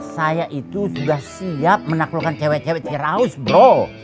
saya itu sudah siap menaklukkan cewek cewek tiraus bro